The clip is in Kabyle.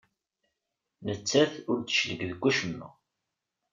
Nettat ur d-teclig deg wacemma.